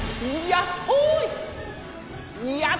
やっほい！